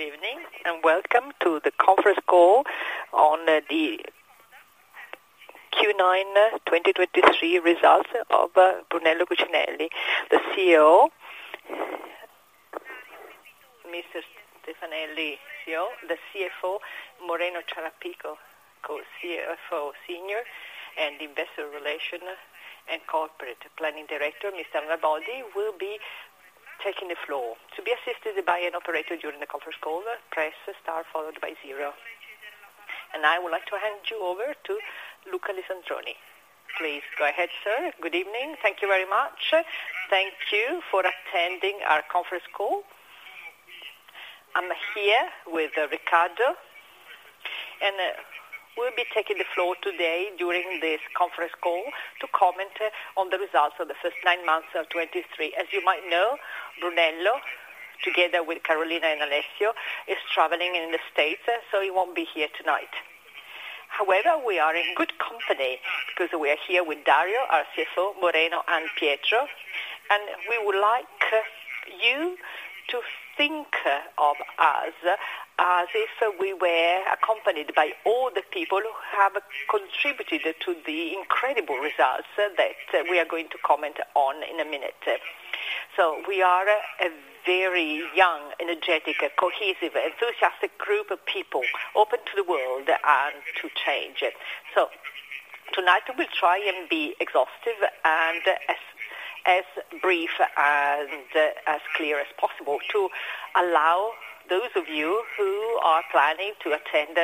Good evening, and welcome to the conference call on the Q9 2023 results of Brunello Cucinelli. The CEO, Mr. Stefanelli, CEO, the CFO, Moreno Ciarapica, CFO, senior, and Investor Relations and Corporate Planning Director, Mr. Arnaboldi, will be taking the floor. To be assisted by an operator during the conference call, press star followed by zero. I would like to hand you over to Luca Lisandroni. Please go ahead, sir. Good evening. Thank you very much. Thank you for attending our conference call. I'm here with Riccardo, and we'll be taking the floor today during this conference call to comment on the results of the first 9 months of 2023. As you might know, Brunello, together with Carolina and Alessio, is traveling in the States, so he won't be here tonight. However, we are in good company because we are here with Dario, our CFO, Moreno, and Pietro, and we would like you to think of us as if we were accompanied by all the people who have contributed to the incredible results that we are going to comment on in a minute. So we are a very young, energetic, cohesive, enthusiastic group of people, open to the world and to change. So tonight, we'll try and be exhaustive and as brief and as clear as possible to allow those of you who are planning to attend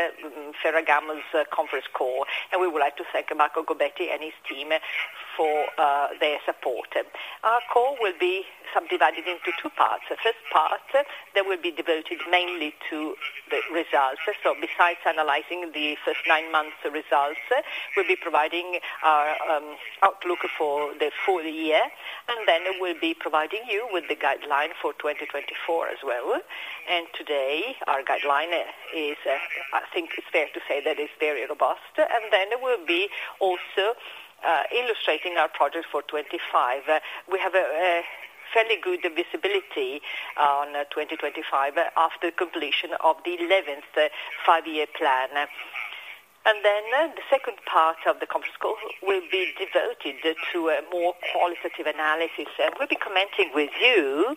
Ferragamo's conference call, and we would like to thank Marco Gobbetti and his team for their support. Our call will be subdivided into two parts. The first part, that will be devoted mainly to the results. So besides analyzing the first 9 months results, we'll be providing our outlook for the full year, and then we'll be providing you with the guideline for 2024 as well. And today, our guideline is, I think it's fair to say that it's very robust, and then we'll be also illustrating our project for 25. We have a fairly good visibility on 2025 after completion of the 11th five-year plan. And then the second part of the conference call will be devoted to a more qualitative analysis. We'll be commenting with you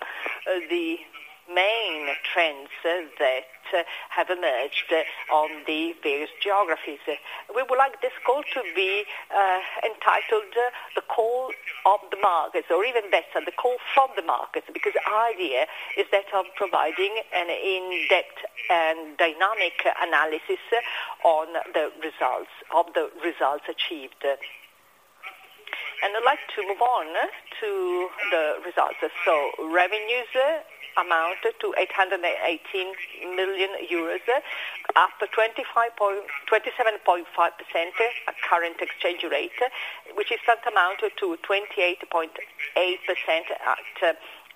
the main trends that have emerged on the various geographies. We would like this call to be entitled, The Call of the Markets, or even better, The Call from the Markets, because our idea is that of providing an in-depth and dynamic analysis on the results, of the results achieved. I'd like to move on to the results. So revenues amount to 818 million euros, after 27.5% at current exchange rate, which is tantamount to 28.8%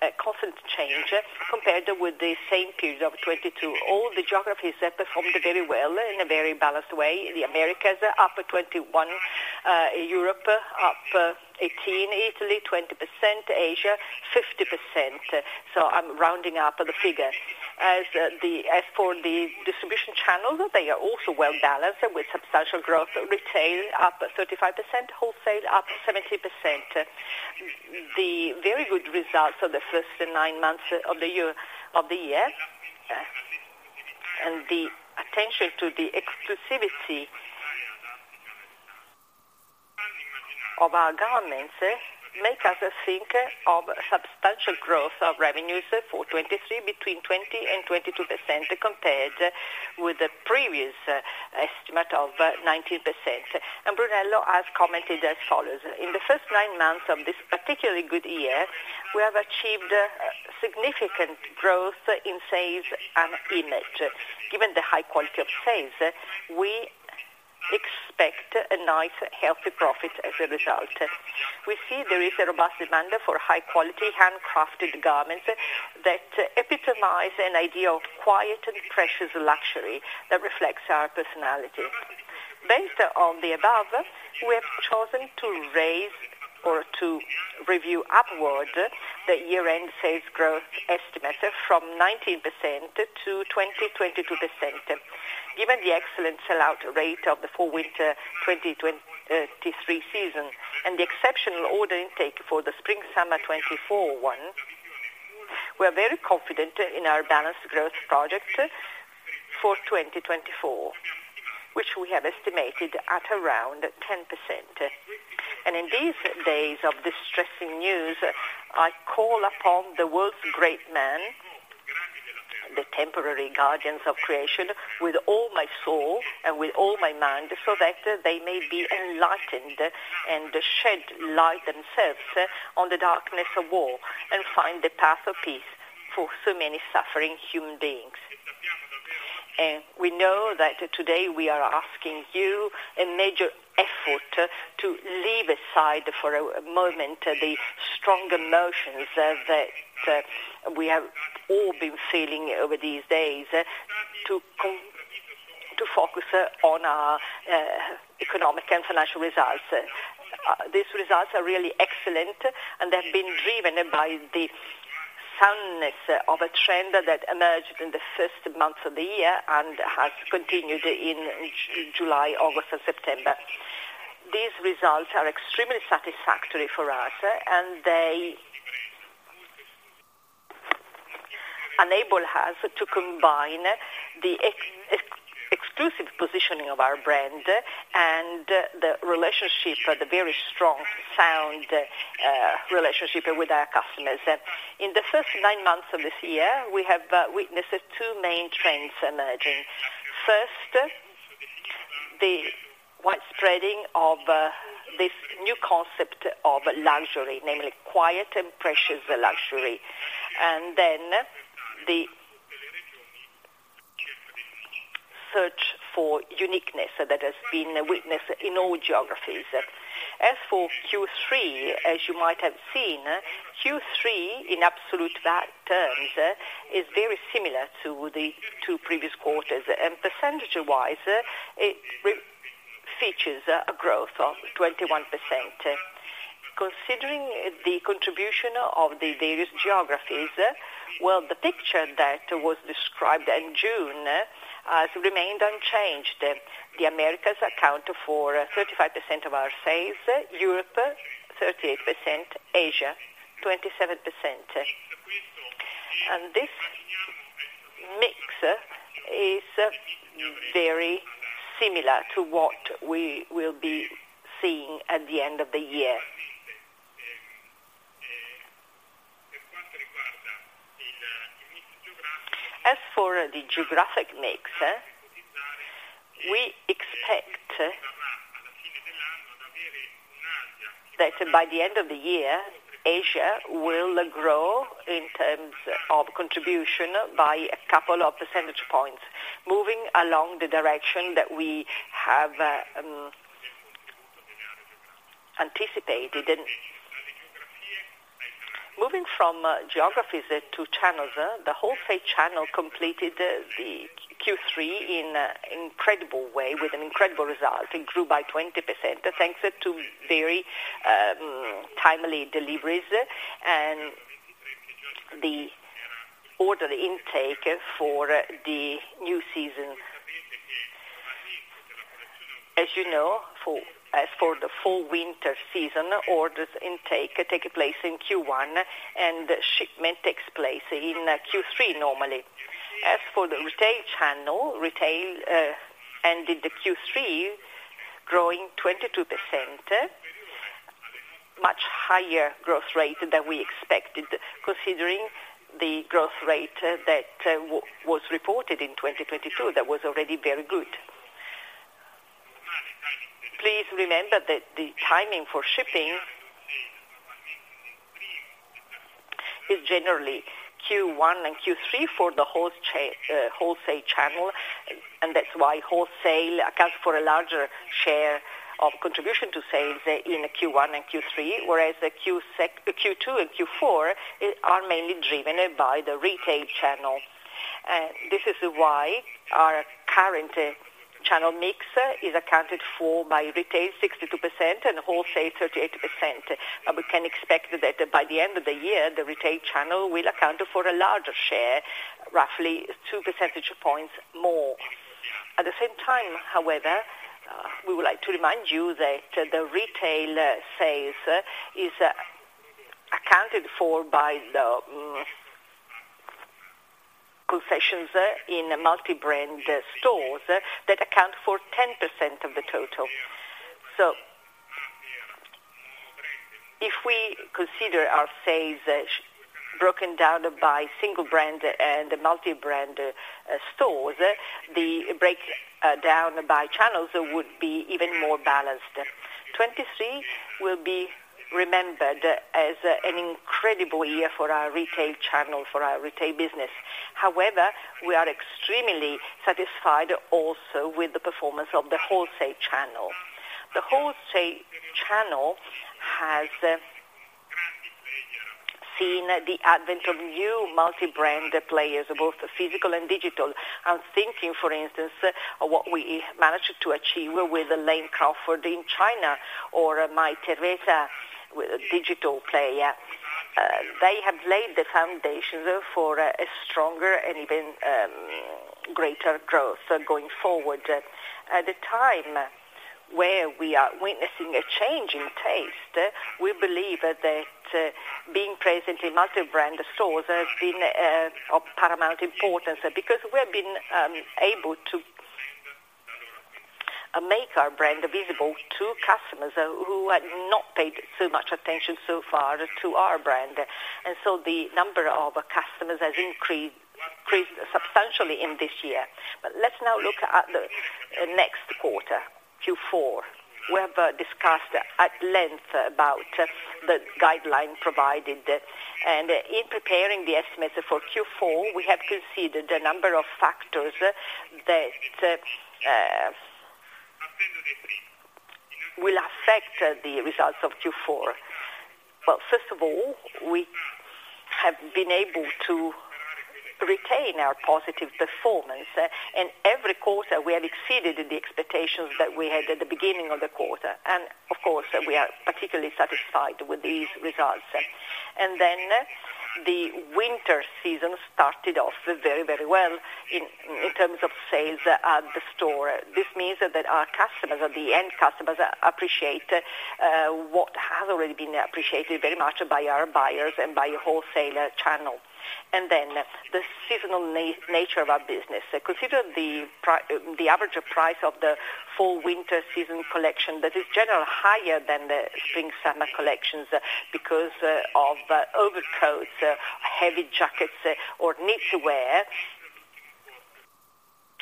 at constant change, compared with the same period of 2022. All the geographies performed very well in a very balanced way. The Americas, up 21, Europe, up 18, Italy, 20%, Asia, 50%. So I'm rounding up the figure. As for the distribution channel, they are also well balanced with substantial growth, retail, up 35%, wholesale, up 70%. The very good results of the first nine months of the year, of the year, and the attention to the exclusivity of our garments make us think of substantial growth of revenues for 2023, between 20% and 22%, compared with the previous estimate of 19%. And Brunello has commented as follows: "In the first nine months of this particularly good year, we have achieved significant growth in sales and image. Given the high quality of sales, we expect a nice, healthy profit as a result. We see there is a robust demand for high-quality, handcrafted garments that epitomize an idea of quiet and precious luxury that reflects our personality. Based on the above, we have chosen to raise or to review upward the year-end sales growth estimate from 19% to 20%-22%. Given the excellent sell-out rate of the full winter 2023 season and the exceptional order intake for the Spring/Summer 2024 one, we are very confident in our balanced growth project for 2024, which we have estimated at around 10%. And in these days of distressing news, I call upon the world's great men, the temporary guardians of creation, with all my soul and with all my mind, so that they may be enlightened and shed light themselves on the darkness of war and find the path of peace for so many suffering human beings." We know that today we are asking you a major effort to leave aside for a moment the strong emotions that we have all been feeling over these days to focus on our economic and financial results. These results are really excellent, and they've been driven by the soundness of a trend that emerged in the first month of the year and has continued in July, August, and September. These results are extremely satisfactory for us, and they enable us to combine the exclusive positioning of our brand and the relationship, the very strong, sound relationship with our customers. In the first nine months of this year, we have witnessed two main trends emerging. First, the wide spreading of this new concept of luxury, namely quiet and precious luxury, and then the search for uniqueness that has been witnessed in all geographies. As for Q3, as you might have seen, Q3, in absolute terms, is very similar to the two previous quarters, and percentage-wise, it features a growth of 21%. Considering the contribution of the various geographies, well, the picture that was described in June has remained unchanged. The Americas account for 35% of our sales, Europe 38%, Asia 27%. This mix is very similar to what we will be seeing at the end of the year. As for the geographic mix, we expect that by the end of the year, Asia will grow in terms of contribution by a couple of percentage points, moving along the direction that we have anticipated and. Moving from geographies to channels, the wholesale channel completed the Q3 in incredible way, with an incredible result. It grew by 20%, thanks to very timely deliveries and the order intake for the new season. As you know, as for the full winter season, orders intake take place in Q1, and shipment takes place in Q3, normally. As for the retail channel, retail ended the Q3, growing 22%, much higher growth rate than we expected, considering the growth rate that was reported in 2022, that was already very good. Please remember that the timing for shipping is generally Q1 and Q3 for the wholesale channel, and that's why wholesale accounts for a larger share of contribution to sales in Q1 and Q3, whereas the Q2 and Q4 are mainly driven by the retail channel. This is why our current channel mix is accounted for by retail, 62%, and wholesale, 38%. We can expect that by the end of the year, the retail channel will account for a larger share, roughly 2 percentage points more. At the same time, however, we would like to remind you that the retail sales is accounted for by the concessions in multi-brand stores that account for 10% of the total. So if we consider our sales broken down by single-brand and multi-brand stores, the breakdown by channels would be even more balanced. 2023 will be remembered as an incredible year for our retail channel, for our retail business. However, we are extremely satisfied also with the performance of the wholesale channel. The wholesale channel has seen the advent of new multi-brand players, both physical and digital. I'm thinking, for instance, what we managed to achieve with Lane Crawford in China or Mytheresa, with a digital player. They have laid the foundation for a stronger and even greater growth going forward. At a time where we are witnessing a change in taste, we believe that, being present in multi-brand stores has been, of paramount importance, because we have been, able to make our brand visible to customers who had not paid so much attention so far to our brand. And so the number of customers has increased, increased substantially in this year. But let's now look at the next quarter, Q4. We have, discussed at length about the guideline provided, and in preparing the estimates for Q4, we have considered a number of factors that will affect the results of Q4. Well, first of all, we have been able to retain our positive performance, and every quarter, we have exceeded the expectations that we had at the beginning of the quarter. And of course, we are particularly satisfied with these results. Then the winter season started off very, very well in terms of sales at the store. This means that our customers, or the end customers, appreciate what has already been appreciated very much by our buyers and by wholesale channel. And then the seasonal nature of our business. Consider the average price of the Fall/Winter season collection, that is generally higher than the Spring/Summer collections because of overcoats, heavy jackets, or knitwear.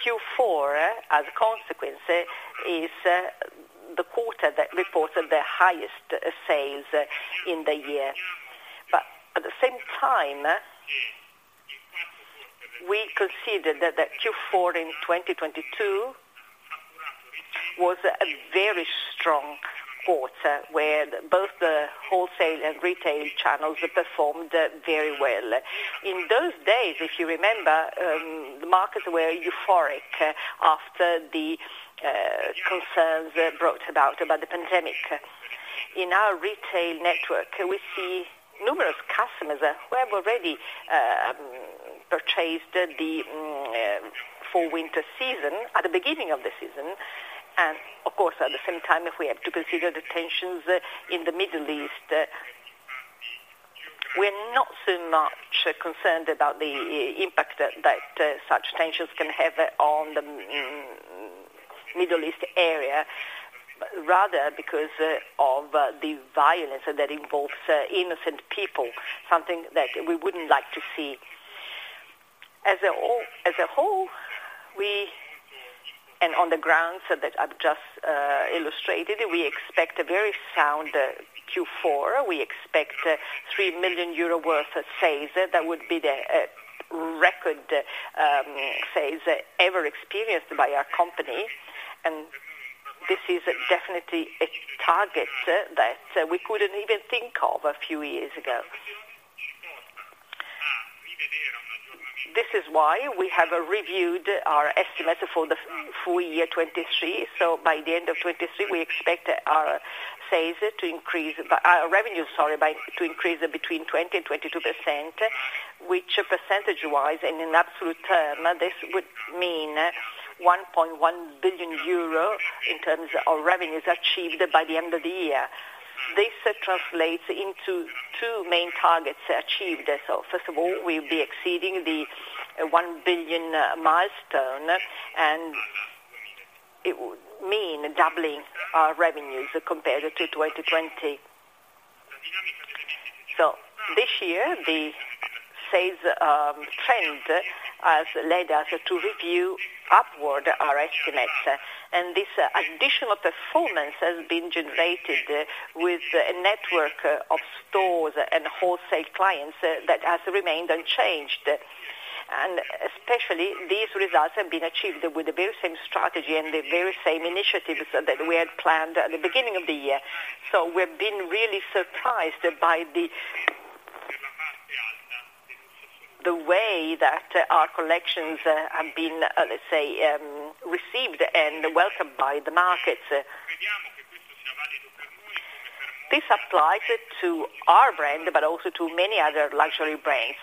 Q4, as a consequence, is the quarter that reported the highest sales in the year. But at the same time, we consider that the Q4 in 2022 was a very strong quarter, where both the wholesale and retail channels performed very well. In those days, if you remember, the markets were euphoric after the concerns brought about by the pandemic. In our retail network, we see numerous customers who have already purchased the Fall/Winter season at the beginning of the season. And of course, at the same time, we have to consider the tensions in the Middle East. We're not so much concerned about the impact that such tensions can have on the Middle East area, but rather because of the violence that involves innocent people, something that we wouldn't like to see. As a whole, on the grounds that I've just illustrated, we expect a very sound Q4. We expect 3 million euro worth of sales. That would be the record sales ever experienced by our company, and this is definitely a target that we couldn't even think of a few years ago. This is why we have reviewed our estimates for the full year 2023. So by the end of 2023, we expect our sales to increase, but our revenues, sorry, to increase between 20%-22%, which percentage-wise and in absolute term, this would mean 1.1 billion euro in terms of revenues achieved by the end of the year. This translates into two main targets achieved. So first of all, we'll be exceeding the 1 billion milestone, and it would mean doubling our revenues compared to 2020. So this year, the sales trend has led us to review upward our estimates, and this additional performance has been generated with a network of stores and wholesale clients that has remained unchanged. And especially, these results have been achieved with the very same strategy and the very same initiatives that we had planned at the beginning of the year. So we've been really surprised by the way that our collections have been, let's say, received and welcomed by the markets. This applies to our brand, but also to many other luxury brands.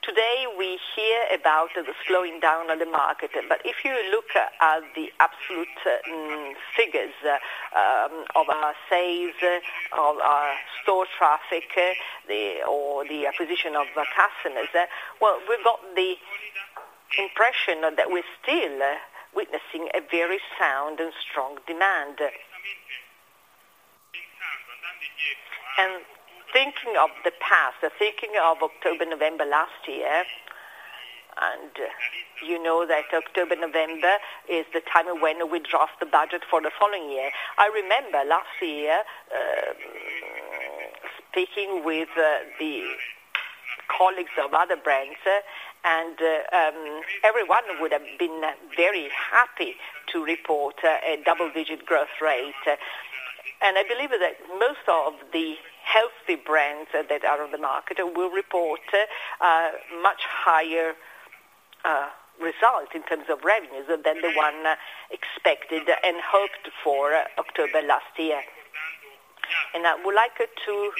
Today, we hear about the slowing down of the market, but if you look at the absolute figures of our sales, of our store traffic, or the acquisition of customers, well, we've got the impression that we're still witnessing a very sound and strong demand. And thinking of the past, thinking of October, November last year, and you know that October, November is the time when we draft the budget for the following year. I remember last year, speaking with the colleagues of other brands, and everyone would have been very happy to report a double-digit growth rate. I believe that most of the healthy brands that are on the market will report much higher results in terms of revenues than the one expected and hoped for October last year. I would like to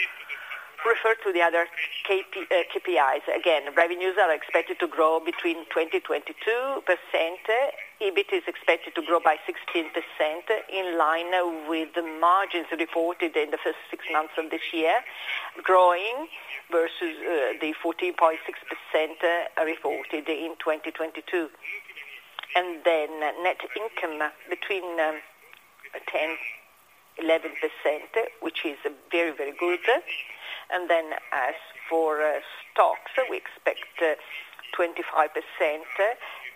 refer to the other KPIs. Again, revenues are expected to grow between 20-22%. EBIT is expected to grow by 16%, in line with the margins reported in the first six months of this year, growing versus the 14.6% reported in 2022. Net income between 10-11%, which is very, very good. As for stocks, we expect 25%,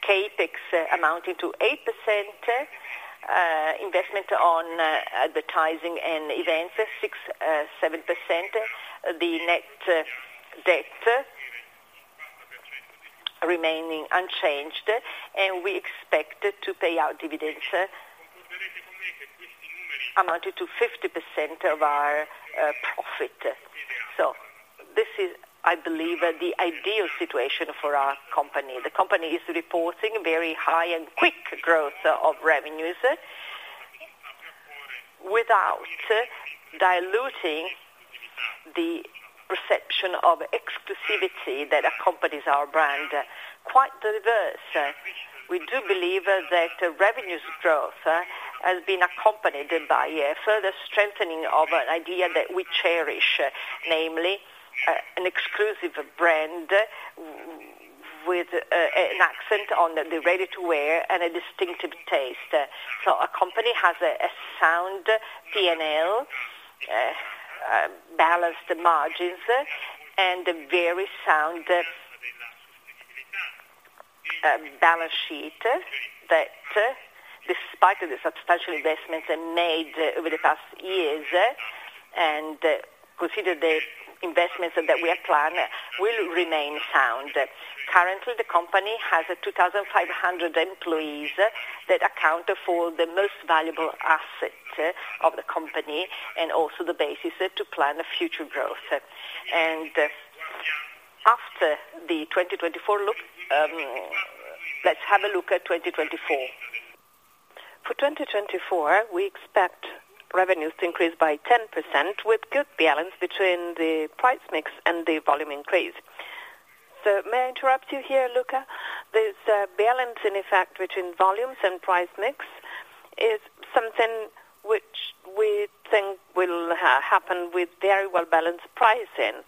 CapEx amounting to 8%, investment on advertising and events, 6-7%. The net debt remaining unchanged, and we expect to pay out dividends, amounted to 50% of our profit. So this is, I believe, the ideal situation for our company. The company is reporting very high and quick growth of revenues, without diluting the perception of exclusivity that accompanies our brand. Quite diverse, we do believe that revenues growth has been accompanied by a further strengthening of an idea that we cherish, namely, an exclusive brand with an accent on the ready-to-wear and a distinctive taste. So our company has a sound P&L, balanced margins, and a very sound balance sheet, that despite of the substantial investments made over the past years, and consider the investments that we have planned, will remain sound. Currently, the company has 2,500 employees that account for the most valuable asset of the company, and also the basis to plan the future growth. After the 2024 look, let's have a look at 2024. For 2024, we expect revenues to increase by 10%, with good balance between the price mix and the volume increase. So may I interrupt you here, Luca? This, balancing effect between volumes and price mix is something which we think will happen with very well balanced pricing.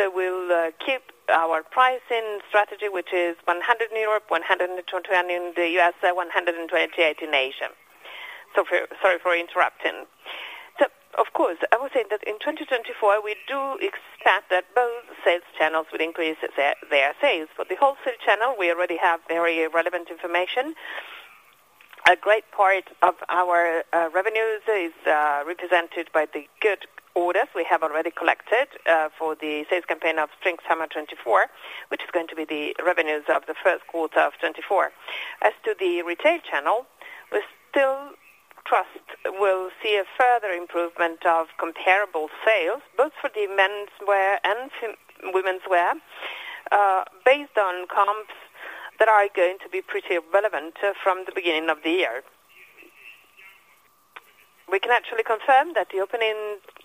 So we'll keep our pricing strategy, which is 100 in Europe, 120 in the U.S., 128 in Asia. So sorry for interrupting. So of course, I would say that in 2024, we do expect that both sales channels will increase their, their sales. For the wholesale channel, we already have very relevant information. A great part of our revenues is represented by the good orders we have already collected for the sales campaign of Spring/Summer 2024, which is going to be the revenues of the first quarter of 2024. As to the retail channel, we still trust we'll see a further improvement of comparable sales, both for the menswear and womenswear, based on comps that are going to be pretty relevant from the beginning of the year. We can actually confirm that the opening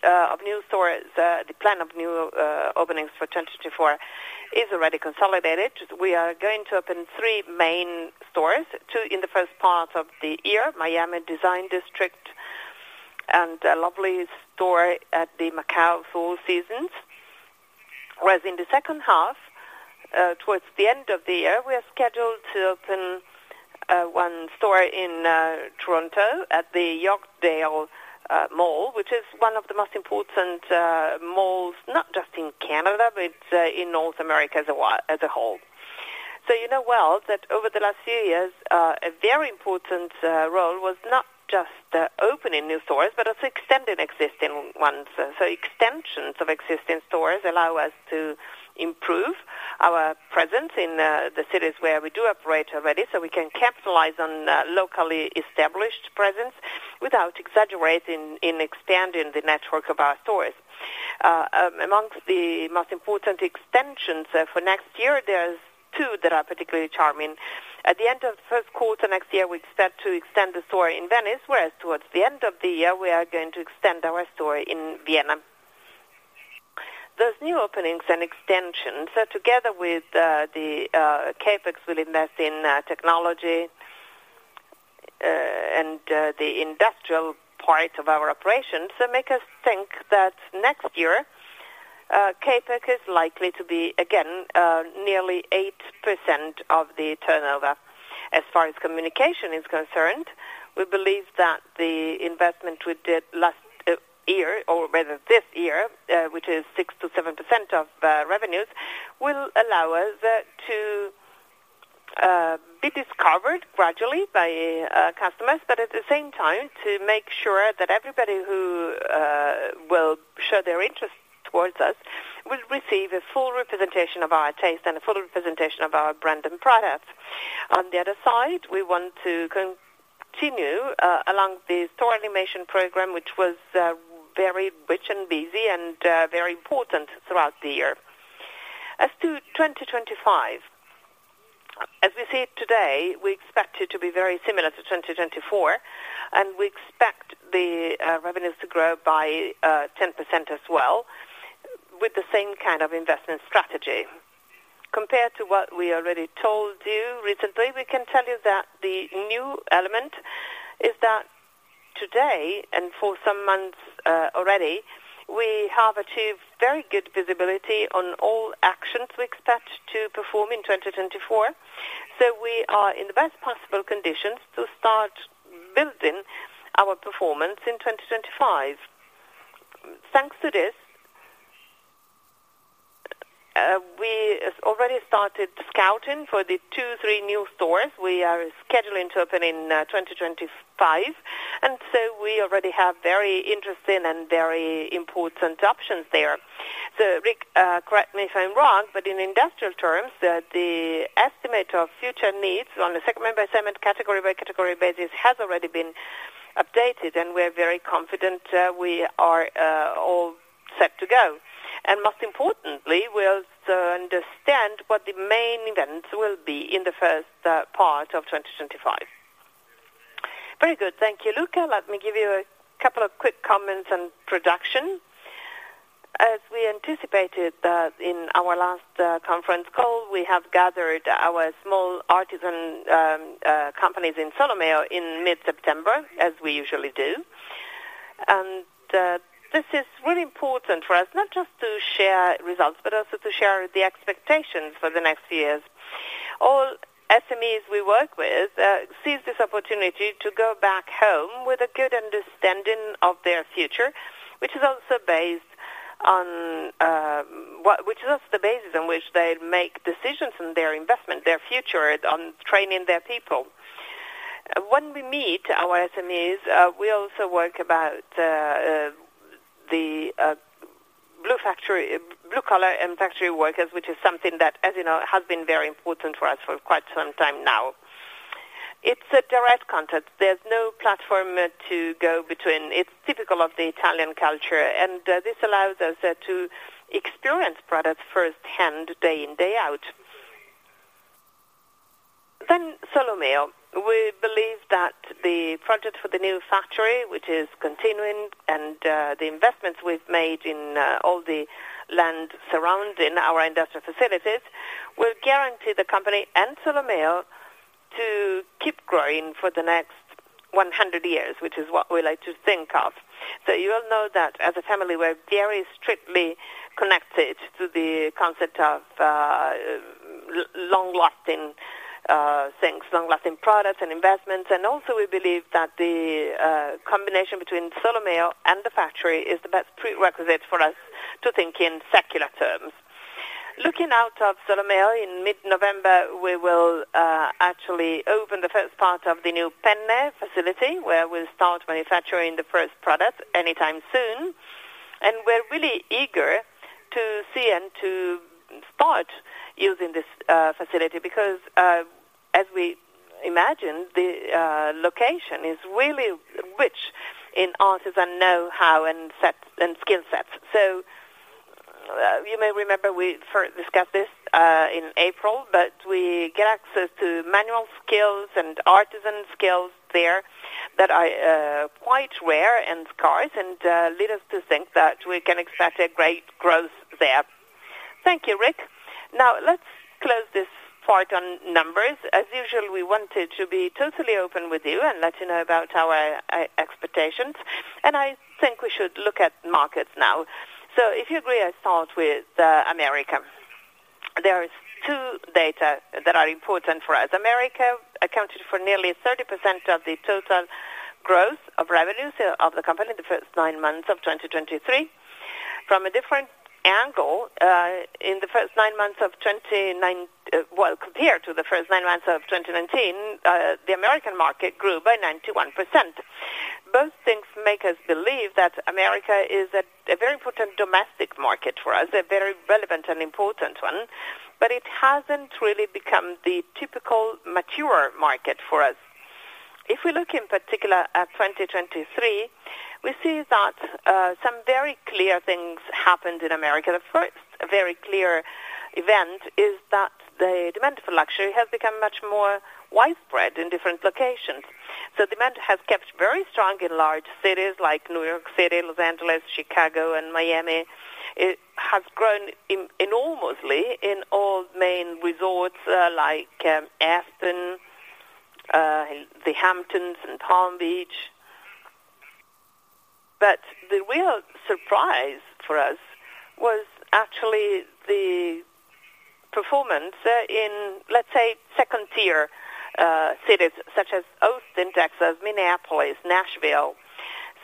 of new stores, the plan of new openings for 2024 is already consolidated. We are going to open three main stores, two in the first part of the year, Miami Design District, and a lovely store at the Macau Four Seasons. Whereas in the second half, towards the end of the year, we are scheduled to open one store in Toronto at the Yorkdale Mall, which is one of the most important malls, not just in Canada, but in North America as a whole. So you know well that over the last few years, a very important role was not just opening new stores, but also extending existing ones. So extensions of existing stores allow us to improve our presence in the cities where we do operate already, so we can capitalize on locally established presence without exaggerating in expanding the network of our stores. Amongst the most important extensions for next year, there's two that are particularly charming. At the end of the first quarter, next year, we expect to extend the store in Venice, whereas towards the end of the year, we are going to extend our store in Vienna. Those new openings and extensions, so together with the CapEx, we'll invest in technology and the industrial part of our operations, so make us think that next year CapEx is likely to be, again, nearly 8% of the turnover. As far as communication is concerned, we believe that the investment we did last year, or rather this year, which is 6%-7% of revenues, will allow us to be discovered gradually by customers, but at the same time, to make sure that everybody who will show their interest towards us, will receive a full representation of our taste and a full representation of our brand and products. On the other side, we want to continue along the store animation program, which was very rich and busy and very important throughout the year. As to 2025, as we see it today, we expect it to be very similar to 2024, and we expect the revenues to grow by 10% as well, with the same kind of investment strategy. Compared to what we already told you recently, we can tell you that the new element is that today, and for some months already, we have achieved very good visibility on all actions we expect to perform in 2024. So we are in the best possible conditions to start building our performance in 2025. Thanks to this, we already started scouting for the 2-3 new stores we are scheduling to open in 2025, and so we already have very interesting and very important options there. So Rick, correct me if I'm wrong, but in industrial terms, the estimate of future needs on the segment by segment, category by category basis, has already been updated, and we're very confident, we are all set to go. Most importantly, we also understand what the main events will be in the first part of 2025. Very good. Thank you, Luca. Let me give you a couple of quick comments on production. As we anticipated in our last conference call, we have gathered our small artisan companies in Solomeo in mid-September, as we usually do. And this is really important for us, not just to share results, but also to share the expectations for the next years. All SMEs we work with seize this opportunity to go back home with a good understanding of their future, which is also based on which is also the basis on which they make decisions in their investment, their future, on training their people. When we meet our SMEs, we also work about the blue factory, blue-collar and factory workers, which is something that, as you know, has been very important for us for quite some time now. It's a direct contact. There's no platform to go between. It's typical of the Italian culture, and this allows us to experience products firsthand, day in, day out. Then Solomeo. We believe that the project for the new factory, which is continuing, and the investments we've made in all the land surrounding our industrial facilities, will guarantee the company and Solomeo to keep growing for the next 100 years, which is what we like to think of. So you all know that as a family, we're very strictly connected to the concept of long-lasting things, long-lasting products and investments. Also, we believe that the combination between Solomeo and the factory is the best prerequisite for us to think in secular terms. Looking out of Solomeo, in mid-November, we will actually open the first part of the new Penne facility, where we'll start manufacturing the first product anytime soon. And we're really eager to see and to start using this facility, because as we imagined, the location is really rich in artisan know-how and set, and skill sets. So you may remember we first discussed this in April, but we get access to manual skills and artisan skills there that are quite rare and scarce, and lead us to think that we can extract a great growth there. Thank you, Rick. Now, let's close this part on numbers. As usual, we wanted to be totally open with you and let you know about our expectations, and I think we should look at markets now. So if you agree, I start with America. There are two data that are important for us. America accounted for nearly 30% of the total growth of revenues of the company in the first nine months of 2023. From a different angle, compared to the first nine months of 2019, the American market grew by 91%. Both things make us believe that America is a very important domestic market for us, a very relevant and important one, but it hasn't really become the typical mature market for us. If we look in particular at 2023, we see that some very clear things happened in America. The first very clear event is that the demand for luxury has become much more widespread in different locations. So demand has kept very strong in large cities like New York City, Los Angeles, Chicago, and Miami. It has grown enormously in all main resorts like Aspen, the Hamptons and Palm Beach. But the real surprise for us was actually the performance in, let's say, second-tier cities such as Austin, Texas, Minneapolis, Nashville.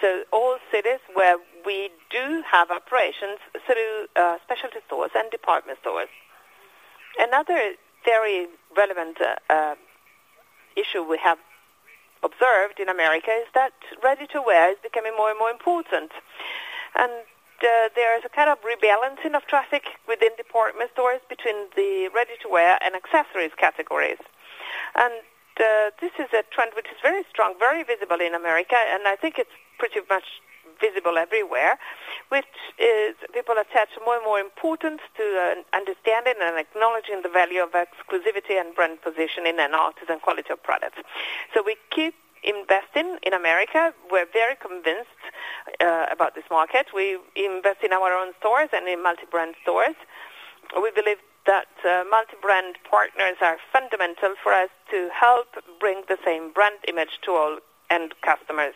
So all cities where we do have operations through specialty stores and department stores. Another very relevant issue we have observed in America is that ready-to-wear is becoming more and more important, and there is a kind of rebalancing of traffic within department stores between the ready-to-wear and accessories categories. This is a trend which is very strong, very visible in America, and I think it's pretty much visible everywhere, which is people attach more and more importance to understanding and acknowledging the value of exclusivity and brand positioning and artisan quality of products. We keep investing in America. We're very convinced about this market. We invest in our own stores and in multi-brand stores. We believe that multi-brand partners are fundamental for us to help bring the same brand image to all end customers.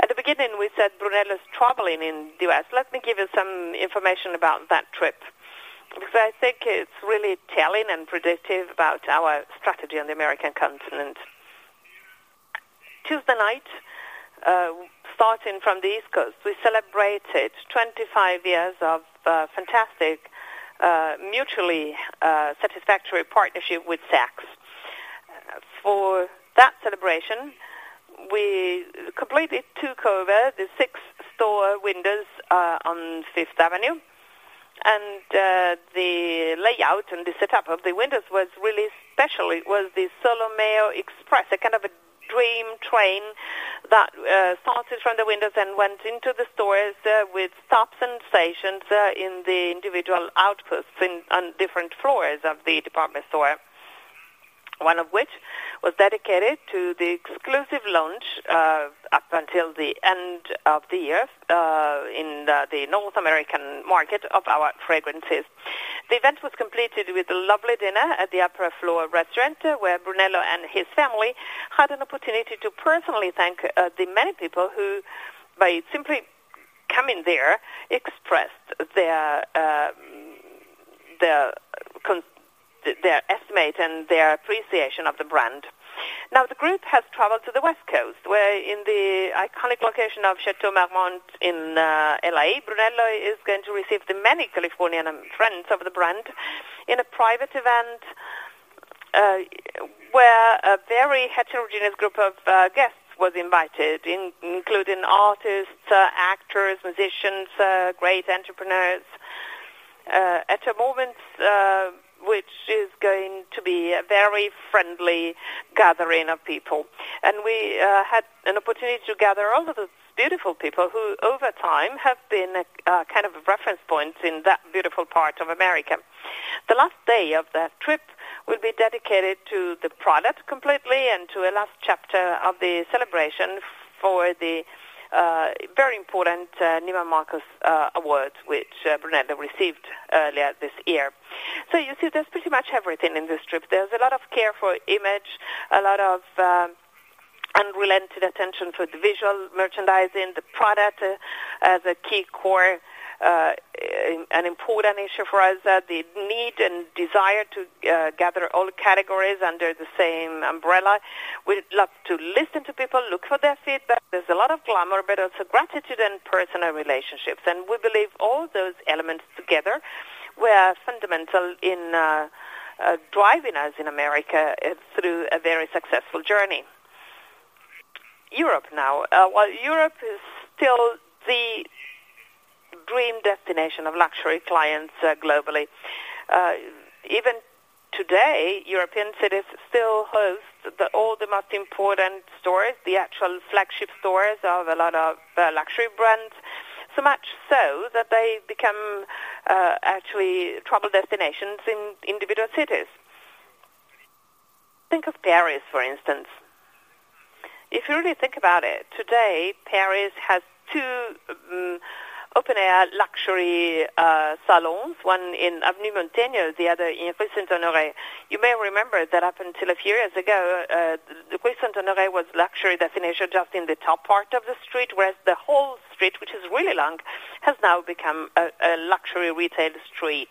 At the beginning, we said Brunello is traveling in the U.S. Let me give you some information about that trip, because I think it's really telling and predictive about our strategy on the American continent. Tuesday night, starting from the East Coast, we celebrated 25 years of fantastic, mutually satisfactory partnership with Saks. For that celebration, we covered the six store windows on Fifth Avenue. The layout and the setup of the windows was really special. It was the Solomeo Express, a kind of a dream train that started from the windows and went into the stores with stops and stations in the individual outputs on different floors of the department store. One of which was dedicated to the exclusive launch up until the end of the year in the North American market of our fragrances. The event was completed with a lovely dinner at the upper floor restaurant, where Brunello and his family had an opportunity to personally thank the many people who, by simply coming there, expressed their their estimate and their appreciation of the brand. Now, the group has traveled to the West Coast, where in the iconic location of Château Marmont in L.A., Brunello is going to receive the many Californian friends of the brand in a private event, where a very heterogeneous group of guests was invited, including artists, actors, musicians, great entrepreneurs at a moment which is going to be a very friendly gathering of people. And we had an opportunity to gather all of those beautiful people who, over time, have been a kind of reference points in that beautiful part of America. The last day of that trip will be dedicated to the product completely and to a last chapter of the celebration for the, very important, Neiman Marcus Awards, which, Brunello received earlier this year. So you see, there's pretty much everything in this trip. There's a lot of care for image, a lot of, unrelenting attention to the visual merchandising, the product as a key core, an important issue for us, that the need and desire to, gather all categories under the same umbrella. We love to listen to people, look for their feedback. There's a lot of glamour, but also gratitude and personal relationships. And we believe all those elements together were fundamental in, driving us in America, through a very successful journey. Europe now. While Europe is still the dream destination of luxury clients, globally, even today, European cities still host all the most important stores, the actual flagship stores of a lot of luxury brands. So much so, that they become, actually travel destinations in individual cities. Think of Paris, for instance. If you really think about it, today, Paris has two, open-air luxury, salons, one in Avenue Montaigne, the other in Rue Saint-Honoré. You may remember that up until a few years ago, the Rue Saint-Honoré was luxury destination just in the top part of the street, whereas the whole street, which is really long, has now become a luxury retail street.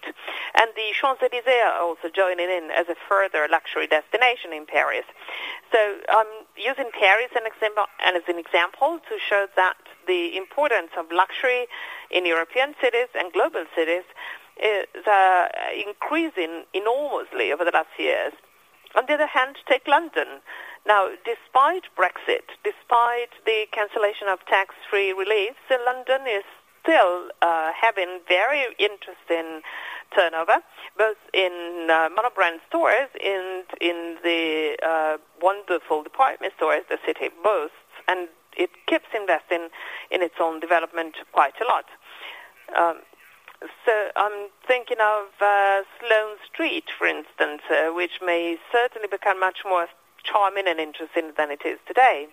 The Champs-Élysées also joining in as a further luxury destination in Paris. So, I'm using Paris as an example, and as an example, to show that the importance of luxury in European cities and global cities is increasing enormously over the last years. On the other hand, take London. Now, despite Brexit, despite the cancellation of tax-free reliefs, London is still having very interesting turnover, both in monobrand stores, in the wonderful department stores the city boasts, and it keeps investing in its own development quite a lot. So I'm thinking of Sloane Street, for instance, which may certainly become much more charming and interesting than it is today.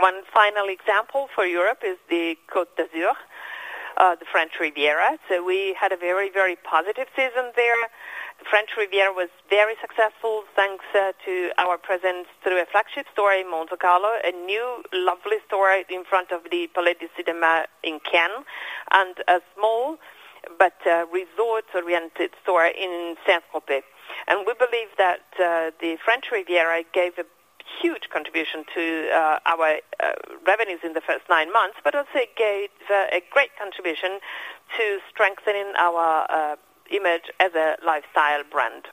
One final example for Europe is the Côte d'Azur, the French Riviera. So we had a very, very positive season there. The French Riviera was very successful, thanks to our presence through a flagship store in Monte Carlo, a new, lovely store in front of the Palais des Festivals in Cannes, and a small but resort-oriented store in Saint-Tropez. We believe that the French Riviera gave a huge contribution to our revenues in the first nine months, but also it gave a great contribution to strengthening our image as a lifestyle brand.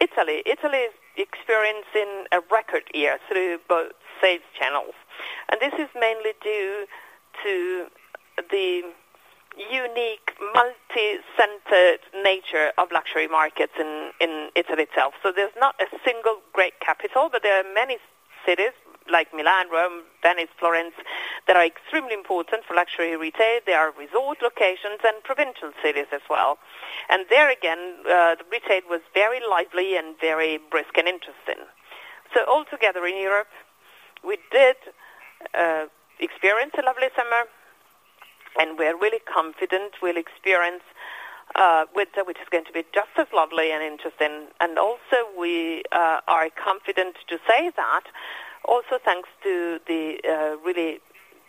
Italy is experiencing a record year through both sales channels, and this is mainly due to the unique, multi-centered nature of luxury markets in Italy itself. So there's not a single great capital, but there are many cities like Milan, Rome, Venice, Florence, that are extremely important for luxury retail. There are resort locations and provincial cities as well. There, again, the retail was very lively and very brisk and interesting. So altogether, in Europe, we did experience a lovely summer, and we're really confident we'll experience winter, which is going to be just as lovely and interesting. And also, we are confident to say that also thanks to the really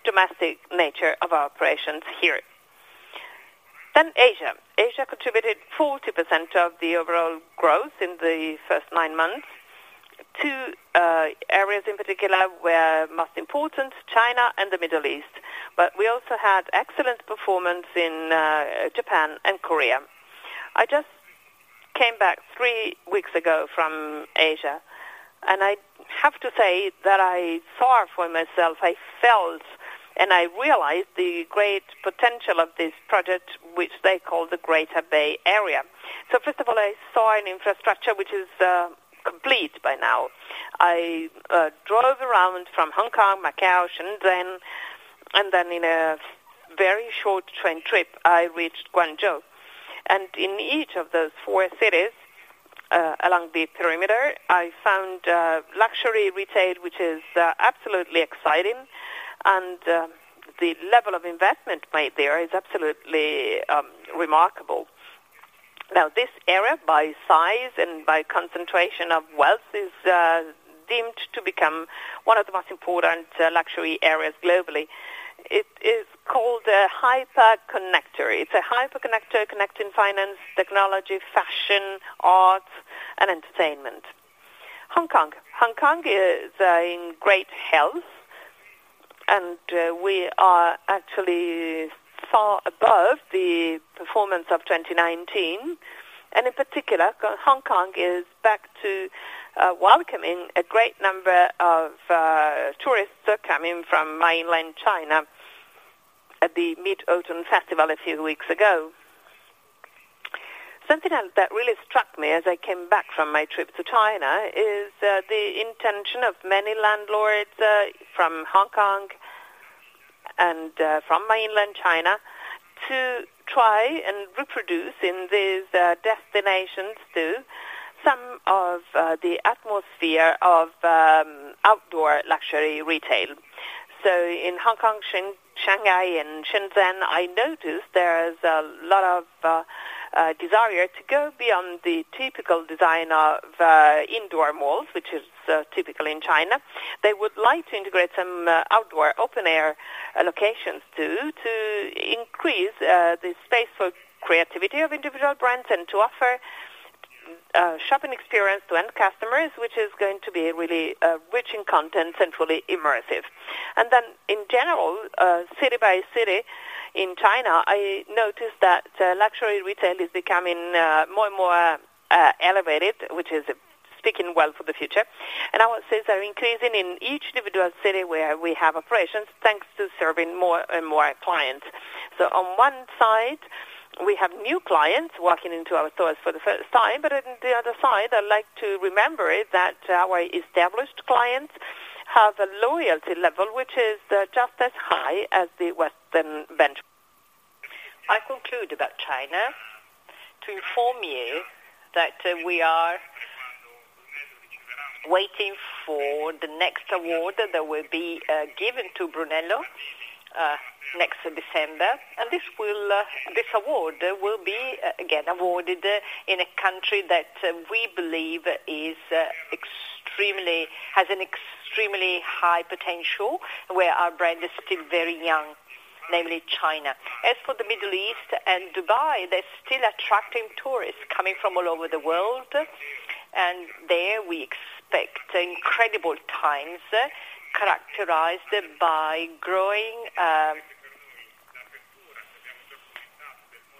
domestic nature of our operations here. Then Asia. Asia contributed 40% of the overall growth in the first nine months. Areas in particular were most important, China and the Middle East. But we also had excellent performance in Japan and Korea. I just came back three weeks ago from Asia, and I have to say that I saw for myself, I felt, and I realized the great potential of this project, which they call the Greater Bay Area. So first of all, I saw an infrastructure which is complete by now. I drove around from Hong Kong, Macau, Shenzhen, and then in a very short train trip, I reached Guangzhou. And in each of those four cities, along the perimeter, I found luxury retail, which is absolutely exciting, and the level of investment made there is absolutely remarkable. Now, this area, by size and by concentration of wealth, is deemed to become one of the most important luxury areas globally. It is called a hyper connector. It's a hyper connector, connecting finance, technology, fashion, arts, and entertainment. Hong Kong. Hong Kong is in great health, and we are actually far above the performance of 2019, and in particular, Hong Kong is back to welcoming a great number of tourists coming from mainland China at the Mid-Autumn Festival a few weeks ago. Something else that really struck me as I came back from my trip to China is the intention of many landlords from Hong Kong and from mainland China to try and reproduce in these destinations to some of the atmosphere of outdoor luxury retail. So in Hong Kong, Shanghai and Shenzhen, I noticed there is a lot of desire to go beyond the typical design of indoor malls, which is typical in China. They would like to integrate some outdoor open-air allocations too, to increase the space for creativity of individual brands and to offer shopping experience to end customers, which is going to be really rich in content and fully immersive. Then in general, city by city, in China, I noticed that luxury retail is becoming more and more elevated, which is speaking well for the future. I would say they're increasing in each individual city where we have operations, thanks to serving more and more clients. On one side, we have new clients walking into our stores for the first time, but on the other side, I'd like to remember it, that our established clients have a loyalty level, which is just as high as the Western venture. I conclude about China, to inform you that we are waiting for the next award that will be given to Brunello next December. And this will, this award will be, again, awarded in a country that we believe is extremely—has an extremely high potential, where our brand is still very young, namely China. As for the Middle East and Dubai, they're still attracting tourists coming from all over the world, and there we expect incredible times, characterized by growing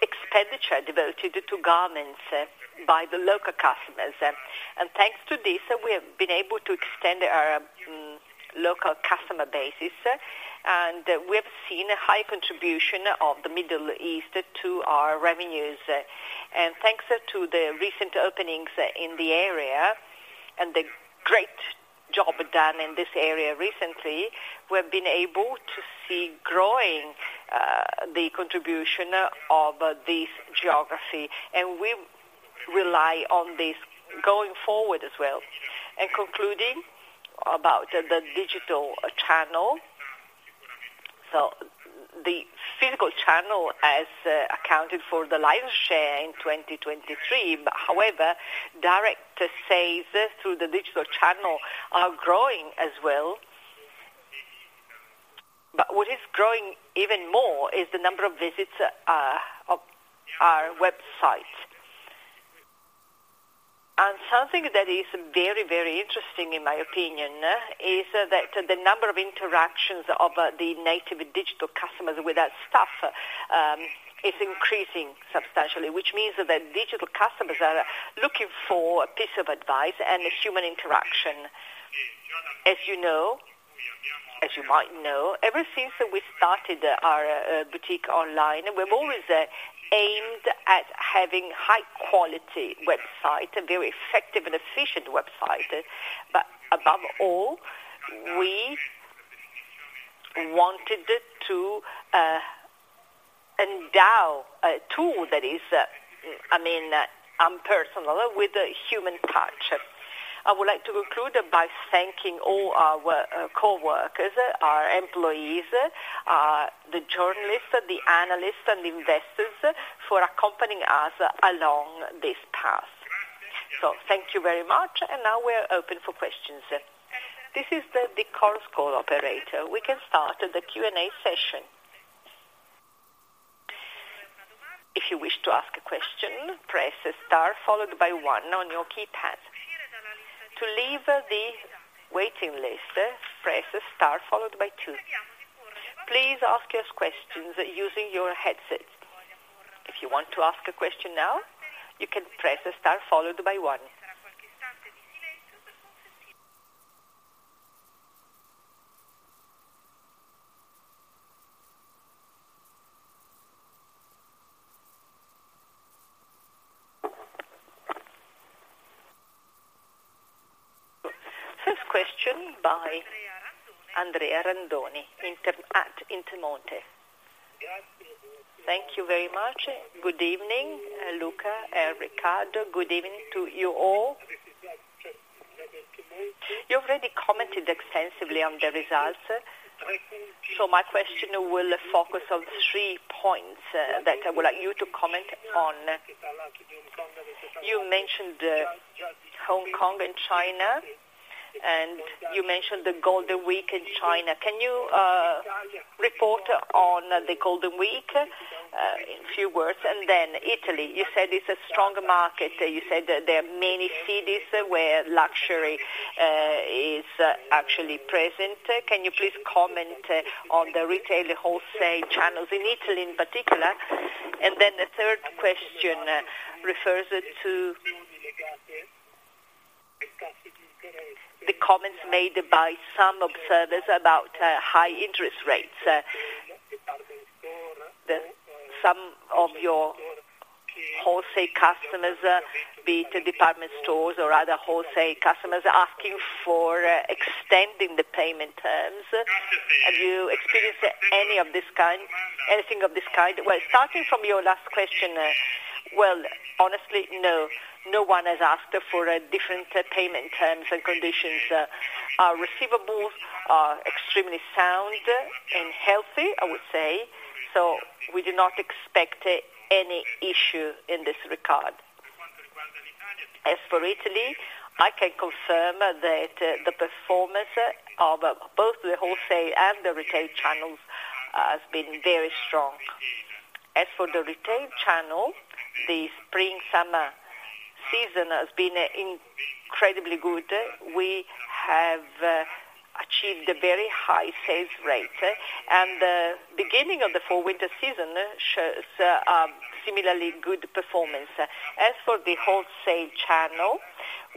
expenditure devoted to garments by the local customers. And thanks to this, we have been able to extend our local customer basis, and we have seen a high contribution of the Middle East to our revenues. Thanks to the recent openings in the area and the great job done in this area recently, we've been able to see growing the contribution of this geography, and we rely on this going forward as well. Concluding about the digital channel. The physical channel has accounted for the lion's share in 2023. However, direct sales through the digital channel are growing as well. What is growing even more is the number of visits of our website. Something that is very, very interesting, in my opinion, is that the number of interactions of the native digital customers with our staff is increasing substantially, which means that the digital customers are looking for a piece of advice and a human interaction. As you know, as you might know, ever since we started our boutique online, we've always aimed at having high quality website, a very effective and efficient website. But above all, we wanted it to endow a tool that is, I mean, personal with a human touch. I would like to conclude by thanking all our coworkers, our employees, the journalists, the analysts, and investors, for accompanying us along this path. So thank you very much. And now we are open for questions. This is the earnings call operator. We can start the Q&A session. If you wish to ask a question, press star followed by one on your keypad. To leave the waiting list, press star followed by two. Please ask us questions using your headsets. If you want to ask a question now, you can press star followed by one. First question by Andrea Randone at Intermonte. Thank you very much. Good evening, Luca and Riccardo. Good evening to you all. You've already commented extensively on the results, so my question will focus on three points that I would like you to comment on. You mentioned Hong Kong and China, and you mentioned the Golden Week in China. Can you report on the Golden Week in few words? And then Italy, you said it's a strong market. You said that there are many cities where luxury is actually present. Can you please comment on the retail, the wholesale channels in Italy in particular? And then the third question refers to the comments made by some observers about high interest rates. Some of your wholesale customers, be it department stores or other wholesale customers, are asking for extending the payment terms. Have you experienced any of this kind, anything of this kind? Well, starting from your last question, well, honestly, no. No one has asked for a different payment terms and conditions. Our receivables are extremely sound and healthy, I would say. So we do not expect any issue in this regard. As for Italy, I can confirm that the performance of both the wholesale and the retail channels has been very strong. As for the retail channel, the Spring/Summer season has been incredibly good. We have achieved a very high sales rate, and the beginning of the Fall/Winter season shows similarly good performance. As for the wholesale channel,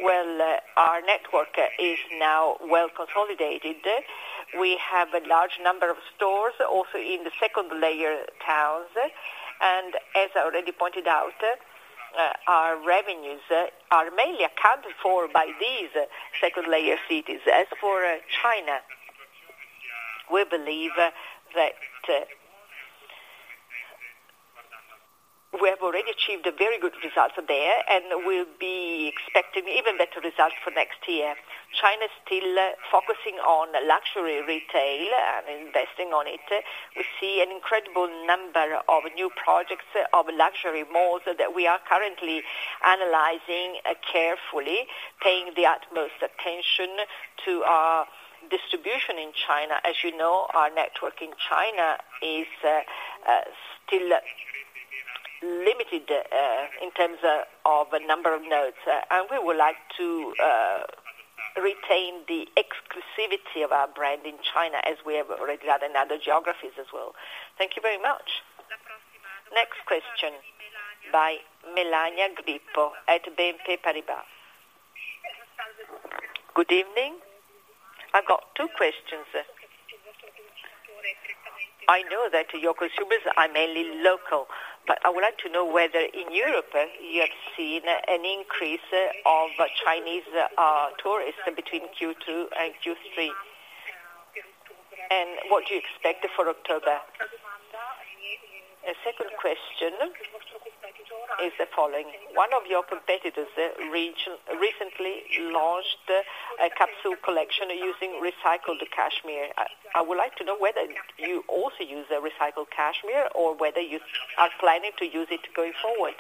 well, our network is now well consolidated. We have a large number of stores also in the second layer towns, and as I already pointed out, our revenues are mainly accounted for by these second layer cities. As for China, we believe that, we have already achieved very good results there, and we'll be expecting even better results for next year. China is still focusing on luxury retail and investing on it. We see an incredible number of new projects of luxury malls that we are currently analyzing carefully, paying the utmost attention to our distribution in China. As you know, our network in China is still limited in terms of number of nodes, and we would like to retain the exclusivity of our brand in China, as we have already done in other geographies as well. Thank you very much. Next question by Melania Grippo at BNP Paribas. Good evening. I've got two questions. I know that your consumers are mainly local, but I would like to know whether in Europe you have seen an increase of Chinese tourists between Q2 and Q3. And what do you expect for October? A second question is the following: One of your competitors recently launched a capsule collection using recycled cashmere. I would like to know whether you also use recycled cashmere or whether you are planning to use it going forward.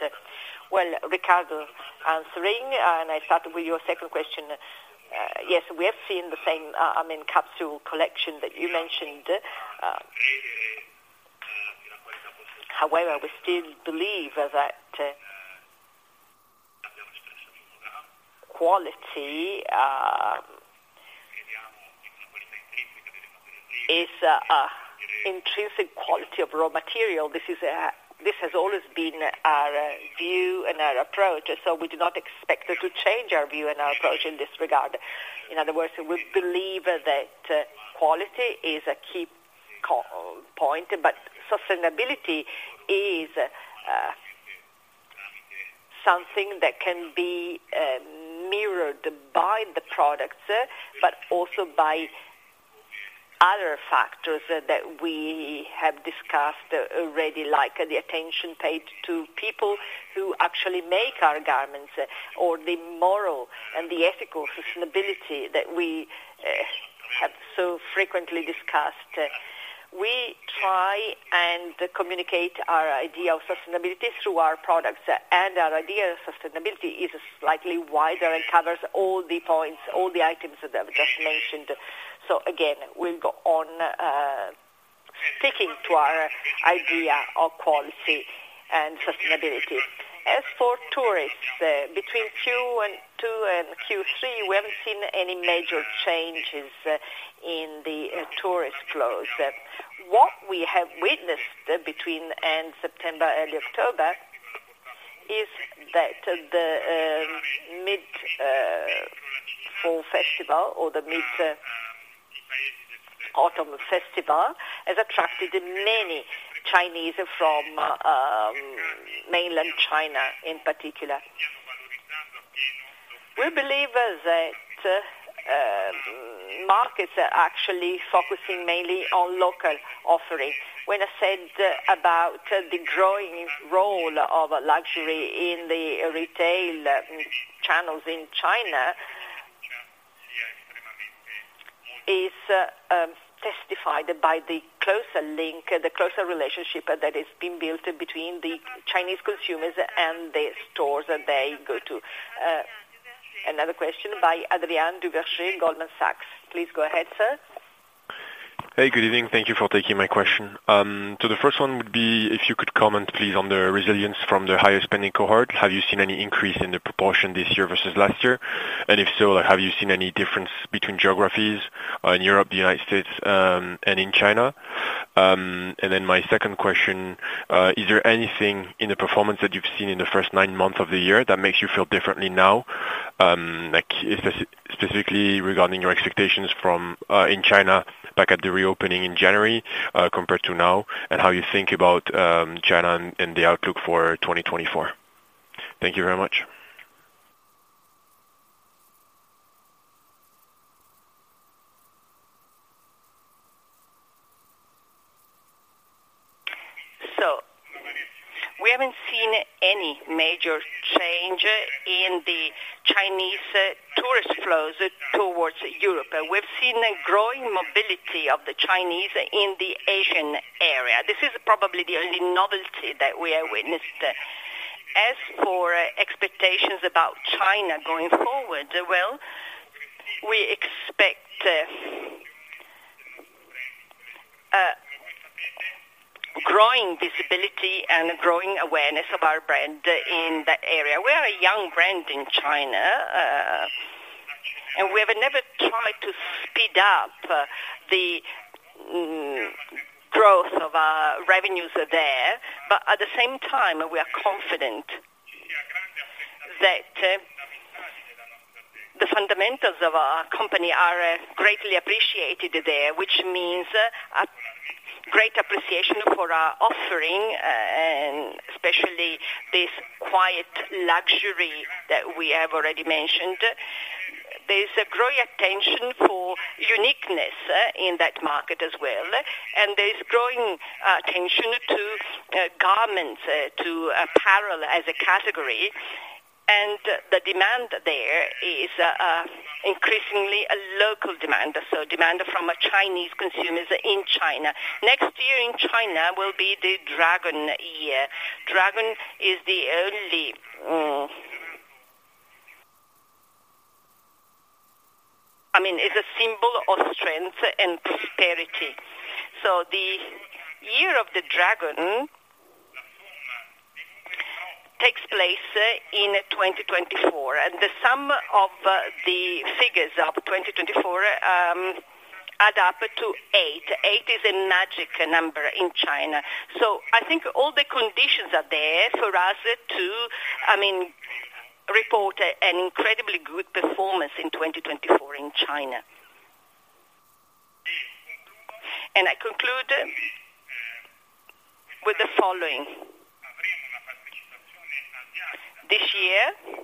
Well, Riccardo, answering, and I start with your second question. Yes, we have seen the same, I mean, capsule collection that you mentioned. However, we still believe that quality is an intrinsic quality of raw material. This has always been our view and our approach, so we do not expect to change our view and our approach in this regard. In other words, we believe that quality is a key point, but sustainability is something that can be mirrored by the products, but also by other factors that we have discussed already, like the attention paid to people who actually make our garments, or the moral and the ethical sustainability that we have so frequently discussed. We try and communicate our idea of sustainability through our products, and our idea of sustainability is slightly wider and covers all the points, all the items that I've just mentioned. So again, we'll go on, sticking to our idea of quality and sustainability. As for tourists, between Q2 and Q3, we haven't seen any major changes in the tourist flows. What we have witnessed between end September, early October, is that the Mid-Autumn Festival has attracted many Chinese from mainland China in particular. We believe that markets are actually focusing mainly on local offerings. When I said about the growing role of luxury in the retail channels in China, is testified by the closer link, the closer relationship that has been built between the Chinese consumers and the stores that they go to. Another question by Adrien Duverger, Goldman Sachs. Please go ahead, sir. Hey, good evening. Thank you for taking my question. So the first one would be if you could comment, please, on the resilience from the higher spending cohort. Have you seen any increase in the proportion this year versus last year? And if so, have you seen any difference between geographies in Europe, the United States, and in China? And then my second question is there anything in the performance that you've seen in the first 9 months of the year that makes you feel differently now? Like, specifically regarding your expectations from in China, back at the reopening in January, compared to now, and how you think about China and the outlook for 2024. Thank you very much. So we haven't seen any major change in the Chinese tourist flows towards Europe. We've seen a growing mobility of the Chinese in the Asian area. This is probably the only novelty that we have witnessed. As for expectations about China going forward, well, we expect growing visibility and growing awareness of our brand in that area. We are a young brand in China, and we have never tried to speed up the growth of our revenues there, but at the same time, we are confident that the fundamentals of our company are greatly appreciated there, which means a great appreciation for our offering, and especially this quiet luxury that we have already mentioned. There's a growing attention for uniqueness in that market as well, and there's growing attention to garments, to apparel as a category. The demand there is increasingly a local demand, so demand from Chinese consumers in China. Next year in China will be the Dragon Year. Dragon is the only, I mean, it's a symbol of strength and prosperity. So the Year of the Dragon takes place in 2024, and the sum of the figures of 2024 add up to 8. 8 is a magic number in China. So I think all the conditions are there for us to, I mean, report an incredibly good performance in 2024 in China. I conclude with the following: this year,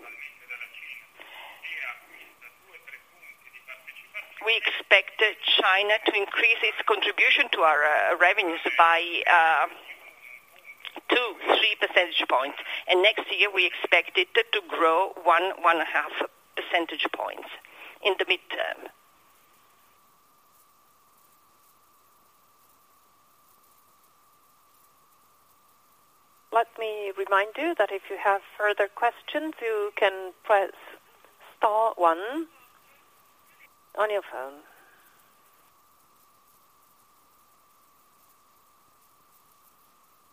we expect China to increase its contribution to our revenues by 2-3 percentage points, and next year, we expect it to grow 1-1.5 percentage points in the midterm. Let me remind you that if you have further questions, you can press star one on your phone.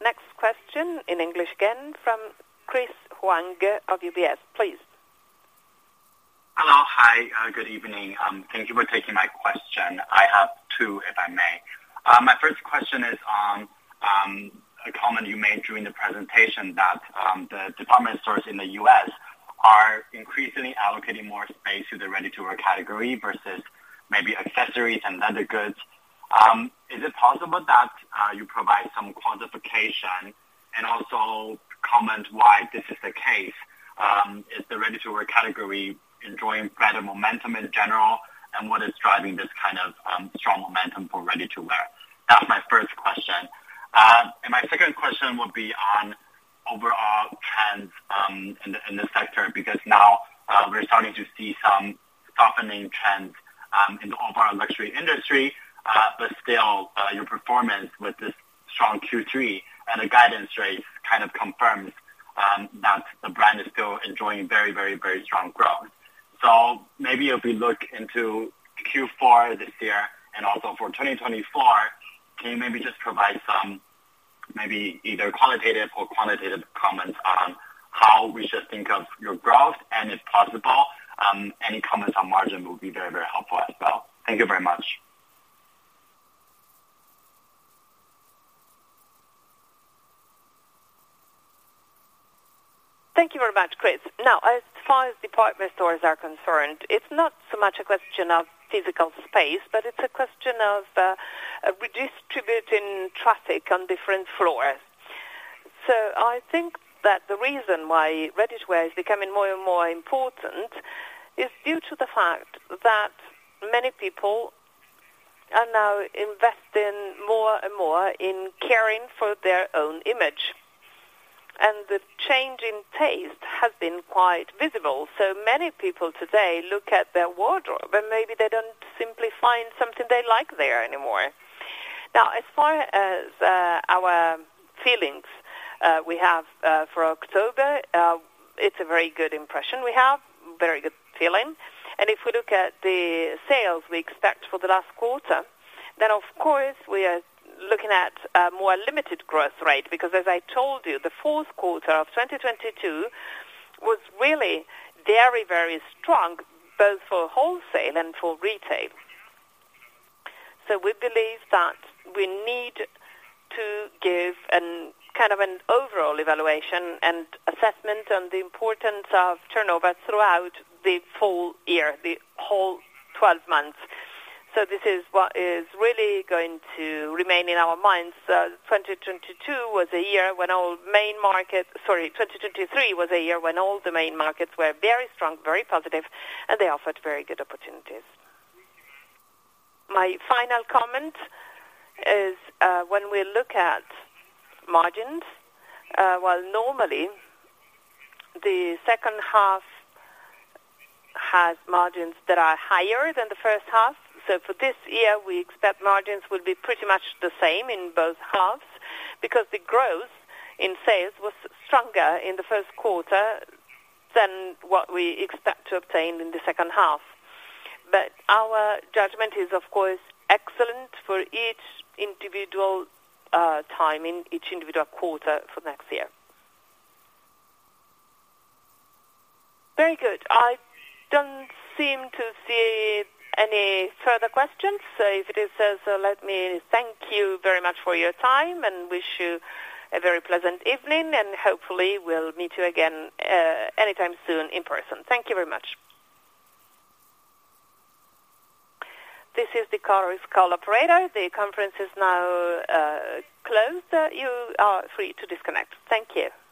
Next question in English again from Chris Huang of UBS, please. Hello. Hi, good evening. Thank you for taking my question. I have two, if I may. My first question is on a comment you made during the presentation, that the department stores in the U.S. are increasingly allocating more space to the ready-to-wear category versus maybe accessories and other goods. Is it possible that you provide some quantification and also comment why this is the case? Is the ready-to-wear category enjoying greater momentum in general, and what is driving this kind of strong momentum for ready-to-wear? That's my first question. And my second question would be on overall trends in the sector, because now, we're starting to see some softening trends in the overall luxury industry, but still, your performance with this strong Q3 and the guidance rate kind of confirms that the brand is still enjoying very, very, very strong growth. So maybe if we look into Q4 this year and also for 2024, can you maybe just provide some, maybe either qualitative or quantitative comments on how we should think of your growth? And if possible, any comments on margin will be very, very helpful as well. Thank you very much. Thank you very much, Chris. Now, as far as department stores are concerned, it's not so much a question of physical space, but it's a question of redistributing traffic on different floors. So I think that the reason why ready-to-wear is becoming more and more important is due to the fact that many people are now investing more and more in caring for their own image, and the change in taste has been quite visible. So many people today look at their wardrobe, and maybe they don't simply find something they like there anymore. Now, as far as our feelings, we have for October, it's a very good impression we have, very good feeling. If we look at the sales we expect for the last quarter, then of course, we are looking at a more limited growth rate because, as I told you, the fourth quarter of 2022 was really very, very strong, both for wholesale and for retail. So we believe that we need to give an, kind of an overall evaluation and assessment on the importance of turnover throughout the full year, the whole 12 months. So this is what is really going to remain in our minds. 2022 was a year when all main markets—sorry, 2023 was a year when all the main markets were very strong, very positive, and they offered very good opportunities. My final comment is, when we look at margins, while normally the second half has margins that are higher than the first half, so for this year, we expect margins will be pretty much the same in both halves because the growth in sales was stronger in the first quarter than what we expect to obtain in the second half. But our judgment is, of course, excellent for each individual time in each individual quarter for next year. Very good. I don't seem to see any further questions, so if it is so, so let me thank you very much for your time and wish you a very pleasant evening, and hopefully we'll meet you again, anytime soon in person. Thank you very much. This is the conference call operator. The conference is now closed. You are free to disconnect. Thank you.